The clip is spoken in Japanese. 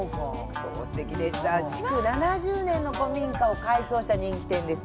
築７０年の古民家を改装した人気店。